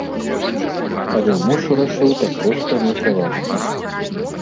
Але муж рашыў так проста не здавацца.